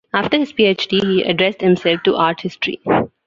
After his Ph.D. he addressed himself to art history.